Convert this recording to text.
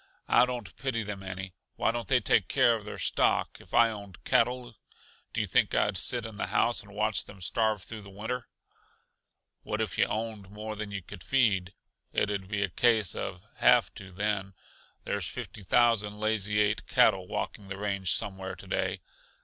I don't pity them any why don't they take care of their stock? If I owned cattle, do you think I'd sit in the house and watch them starve through the winter?" "What if yuh owned more than yuh could feed? It'd be a case uh have to then. There's fifty thousand Lazy Eight cattle walking the range somewhere today.